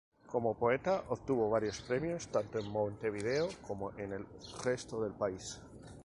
Como poeta obtuvo varios premios tanto en Montevideo como en el resto del país.